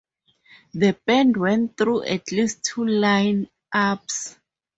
The band went through at least two line-ups.